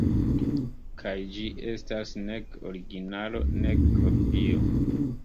Kaj ĝi estas nek originalo, nek kopio.